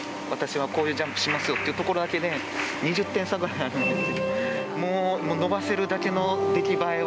私はこういうジャンプをしますよっていうところだけで２０点差ぐらいあるんですよ。